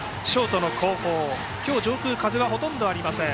今日は上空は風はほとんどありません。